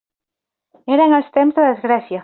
Eren els temps de desgràcia.